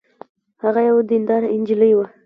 هغه یوه دینداره نجلۍ وه